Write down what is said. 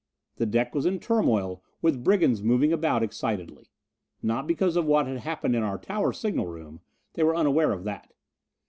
The deck was in turmoil with brigands moving about excitedly. Not because of what had happened in our tower signal room; they were unaware of that.